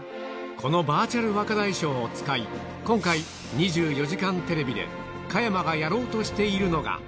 このバーチャル若大将を使い、今回、２４時間テレビで、加山がやろうとしているのが。